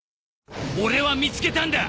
俺は見つけたんだ！